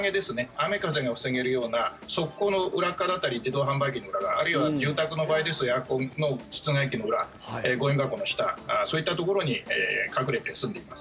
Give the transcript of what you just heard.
雨、風が防げるような側溝の裏側だったり自動販売機の裏側あるいは住宅の場合ですとエアコンの室外機の裏ゴミ箱の下そういったところに隠れてすんでいます。